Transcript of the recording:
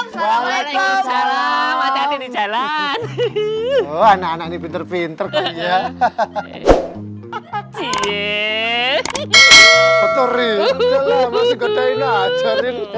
delta bolehkan waalaikumsalam ini jalan ke liuh juga anak anak pinter pintrinya